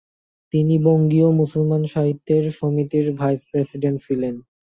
তিনি বঙ্গীয় মুসলমান সাহিত্য সমিতির ভাইস-প্রেসিডেন্ট ছিলেন।